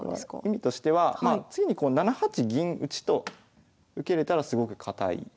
意味としては次に７八銀打と受けれたらすごく堅い。